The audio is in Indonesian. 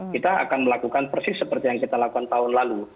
kita akan melakukan persis seperti yang kita lakukan tahun lalu